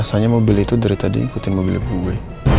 rasanya mobil itu dari tadi ikutin mobil gue